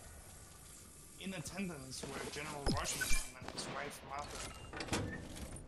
In attendance were General Washington and his wife Martha.